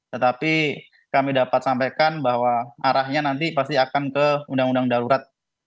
tetapi kami dapat sampaikan bahwa arahnya nanti pasti akan ke undang undang darurat